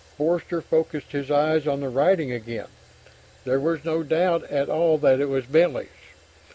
Forster focussed his eyes on the writing again. There was no doubt at all that it was Bentley's.